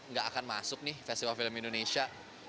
nggak akan masuk nih festival film indonesia